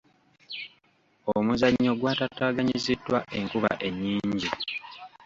Omuzannyo gw'ataataaganyiziddwa enkuba ennyingi.